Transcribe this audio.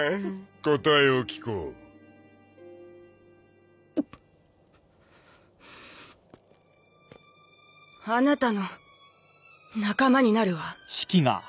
答えを聞こううっあなたの仲間になるわ